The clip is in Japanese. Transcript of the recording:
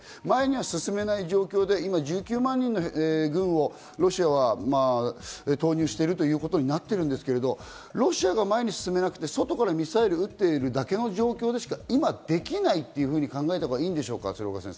前には進めない状況で今１９万人の軍をロシアは投入しているということになっているんですけど、ロシアが前に進めなくて、外からミサイルを撃ってるだけの状況でしか今、できないと考えればよろはい。